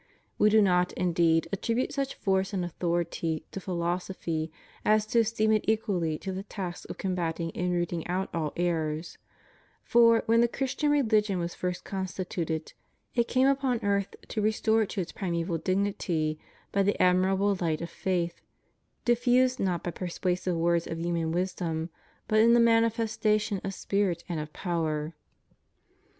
We do not, indeed, attribute such force and authority to philosophy as to esteem it equal to the task of com bating and rooting out all errors; for, when the Christian reUgion was first constituted, it came upon earth to re store it to its primeval dignity by the admirable light of faith, diffused not by persuasive words of human wisdom, but in the manifestation of spirit and of power ;* so also • 1 Cor.